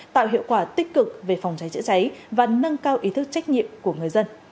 tạo hiệu quả tích cực về phòng cháy chữa cháy và nâng cao ý thức trách nhiệm của người dân